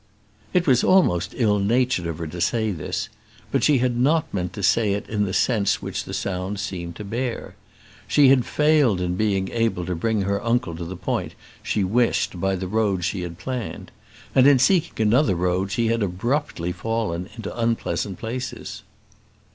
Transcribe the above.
It was almost ill natured of her to say this; but she had not meant to say it in the sense which the sounds seemed to bear. She had failed in being able to bring her uncle to the point she wished by the road she had planned, and in seeking another road, she had abruptly fallen into unpleasant places.